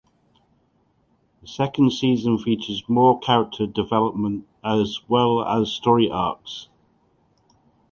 The second season features more character development as well as story arcs.